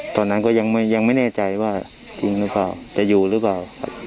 ตอนนั้นก็ยังไม่แน่ใจว่าจริงหรือเปล่าจะอยู่หรือเปล่า